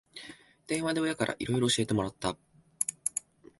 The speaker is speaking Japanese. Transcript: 電話で親からいろいろ教えてもらった